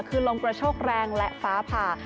คือลมกระโชกแรงและฟ้าผ่า